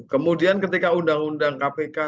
kemudian ketika undang undang kpk